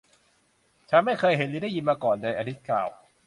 ฉันไม่เคยเห็น หรือได้ยินมาก่อนเลย อลิซกล่าว